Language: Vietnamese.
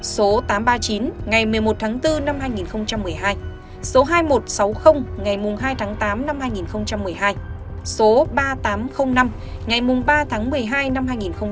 số tám trăm ba mươi chín ngày một mươi một tháng bốn năm hai nghìn một mươi hai số hai nghìn một trăm sáu mươi ngày hai tháng tám năm hai nghìn một mươi hai số ba nghìn tám trăm linh năm ngày ba tháng một mươi hai năm hai nghìn một mươi